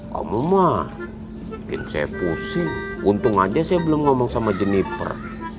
kamu mah bikin saya pusing untung aja saya belum ngomong sama jeniper